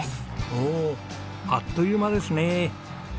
おおあっという間ですね。